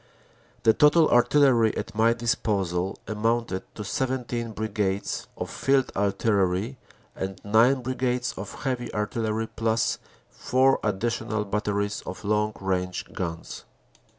The total Artillery at my disposal amounted to 17 Brigades of Field Artillery and nine Brigades of Heavy Artillery, plus four additional batteries of long range guns."